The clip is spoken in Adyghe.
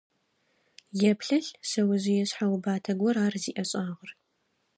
Еплъэлъ, шъэожъые шъхьэубатэ гор ар зиӏэшӏагъэр.